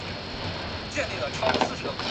首府科恰班巴。